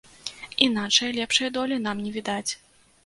Іначай лепшай долі нам не відаць.